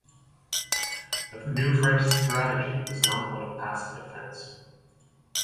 The new French strategy was not one of passive defence.